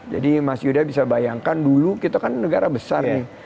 jadi mas yudha bisa bayangkan dulu kita kan negara besar nih